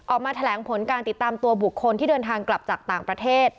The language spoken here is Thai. ออกมาแถลงผลการติดตามตัวบุคคลที่เดินทางกลับจากต่างประเทศ